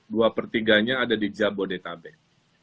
dua pertiganya ada di jabodetabek